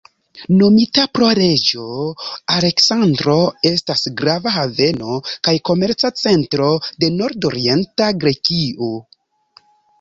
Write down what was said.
Nomita pro Reĝo Aleksandro, estas grava haveno kaj komerca centro de nordorienta Grekio.